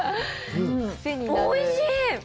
おいしい！